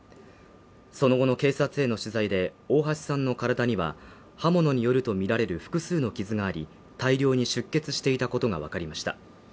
その後の警察への取材で大橋さんの体には刃物によるとみられる複数の傷があり大量に出血していたことが分かりました